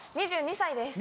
２２歳です。